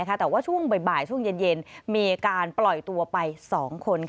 แต่ว่าช่วงบ่ายช่วงเย็นมีการปล่อยตัวไป๒คน